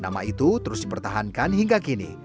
nama itu terus dipertahankan hingga kini